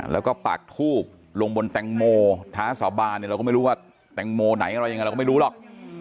แล้วก็ปากทูบลงบนแตงโมท้าสาบานเนี่ยเราก็ไม่รู้ว่าแตงโมไหนอะไรยังไงเราก็ไม่รู้หรอก